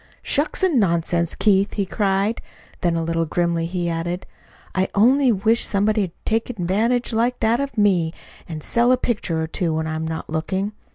"Shucks and nonsense, Keith!" he cried. Then a little grimly he added: "I only wish somebody'd take advantage like that of me, and sell a picture or two when I'm not looking.